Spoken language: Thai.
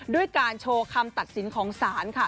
ด้วยการโชว์คำตัดสินของศาลค่ะ